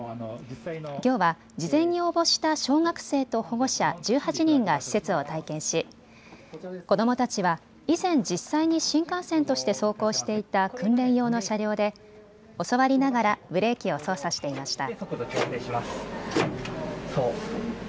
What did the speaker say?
きょうは事前に応募した小学生と保護者１８人が施設を体験し子どもたちは以前実際に新幹線として走行していた訓練用の車両で教わりながらブレーキを操作していました。